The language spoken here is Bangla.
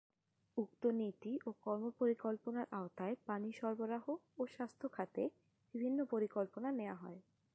উক্ত নীতি ও কর্মপরিকল্পনার আওতায় পানি সরবরাহ ও স্বাস্থ্য খাতে বিভিন্ন পরিকল্পনা নেয়া হয়।